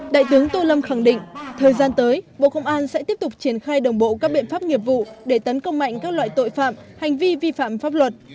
đại tướng tô lâm khẳng định thời gian tới bộ công an sẽ tiếp tục triển khai đồng bộ các biện pháp nghiệp vụ để tấn công mạnh các loại tội phạm hành vi vi phạm pháp luật